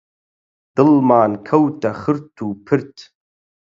دڵمان کەوتە خرت و پرت